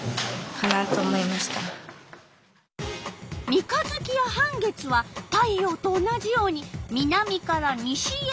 三日月や半月は太陽と同じように南から西へ行く。